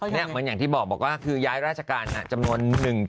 เหมือนอย่างที่บอกบอกว่าคือย้ายราชการจำนวน